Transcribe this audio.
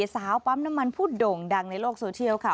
ปั๊มน้ำมันผู้โด่งดังในโลกโซเชียลค่ะ